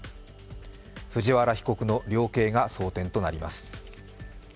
藤原被告の量刑が争点となります。